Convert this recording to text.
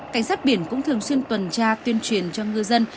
cảnh sát biển cũng thường xuyên tuần tra tuyên truyền cho ngư dân